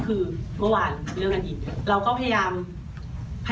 แนนสูงสุดท้ายที่บราซิลครับ